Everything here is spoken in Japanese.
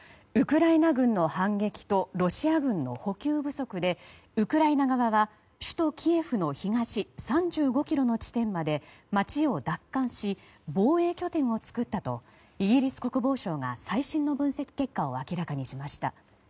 ウクライナ軍の反撃とロシア軍の補給不足でウクライナ側は、首都キエフの東３５ｋｍの地点まで街を奪還し、防衛拠点を作ったとイギリス国防省が最新の分析結果を明らかにしました。